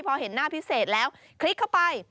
พอเห็นหน้าพิเศษแล้วคลิกเข้าไป